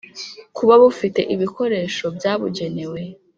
kuba bufite ibikoresho byabugenewe